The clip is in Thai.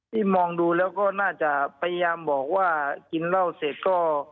ที่มองดูแล้วก็น่าจะพยายามบอกว่ากินเหล้าเสร็จก็